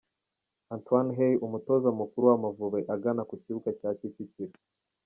Antoine Hey umutoza mukuru w'Amavubi agana ku kibuga cya Kicukiro.